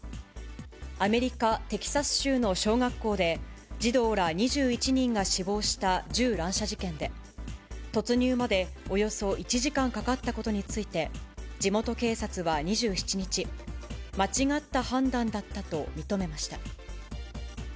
アメリカ・テキサス州の小学校で、児童ら２１人が死亡した銃乱射事件で、突入までおよそ１時間かかったことについて、地元警察は２７日、間違った判断だったと認めました。